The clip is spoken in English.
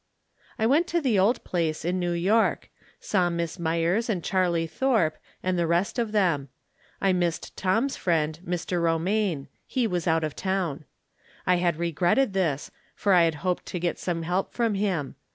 I went' to the old place in New York. Saw Miss Myers and Charlie Thorpe, and the rest of them. I missed Tom's friend, Mr. Romaine ; he was out of town. I had regretted this, for I had hoped to get some help from him.